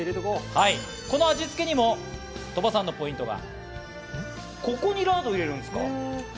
この味付けにも鳥羽さんのポイントが。